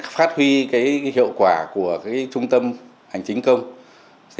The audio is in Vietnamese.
phát huy cái hiệu quả của cái trung tâm hành chính công